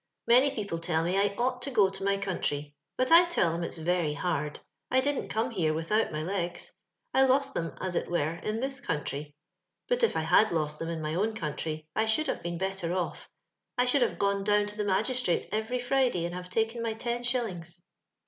" Many people tell me I onght to co to ny _ but I tell them itfs ym didnt come here without my legs— I lost th», country; as it were, in this conntiy; b^ if I had knt them in my own country, I should have been better off. I should have gone down to the magistrate every ftiday, and have taken my ten shillings.